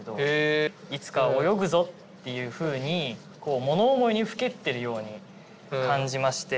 「いつかは泳ぐぞ」っていうふうに物思いにふけってるように感じまして。